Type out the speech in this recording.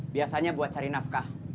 biasanya buat cari nafkah